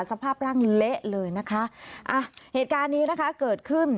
สภาพร่างเละเลยนะคะอ่ะเหตุการณ์นี้นะคะเกิดขึ้น